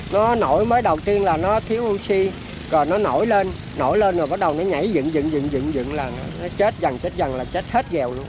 nó nổi mới đầu tiên là nó thiếu oxy rồi nó nổi lên nổi lên rồi bắt đầu nó nhảy dựng dựng dựng dựng dựng là nó chết dần chết dần là chết